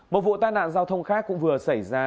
một vụ tai nạn giao thông khác cũng vừa xảy ra